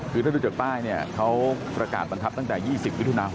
คือถ้าดูจากป้ายเนี่ยเขาประกาศบังคับตั้งแต่๒๐มิถุนา๖๐